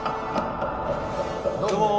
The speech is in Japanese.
どうも！